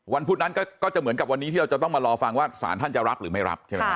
พุธนั้นก็จะเหมือนกับวันนี้ที่เราจะต้องมารอฟังว่าสารท่านจะรับหรือไม่รับใช่ไหมครับ